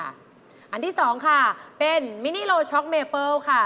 อันที่๒ค่ะเป็นมินิโลช็อกเมเปิ้ลค่ะ